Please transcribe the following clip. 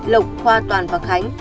lộc khoa toàn và khánh